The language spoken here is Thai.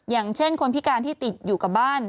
อย่างเช่นคนพิการที่ติดอยู่กับบ้าน